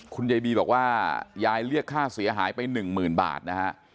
คุณยายบีบอกว่ายายเรียกค่าเสียหายไป๑๐๐๐บาทนะฮะ